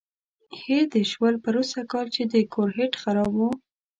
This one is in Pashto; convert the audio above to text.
هېر دې شول پروسږ کال چې د کور هیټ خراب و.